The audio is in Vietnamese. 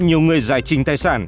nhiều người giải trình tài sản